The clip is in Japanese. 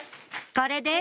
これです